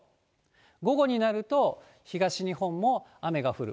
午後になると、東日本も雨が降る。